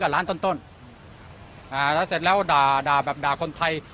ล้านต้นต้นอ่าแล้วเสร็จแล้วด่าด่าแบบด่าคนไทย